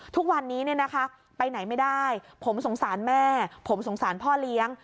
ทุกวันนี้ไปไหนไม่ได้ผมสงสารแม่ผมสงสารพ่อเลี้ยง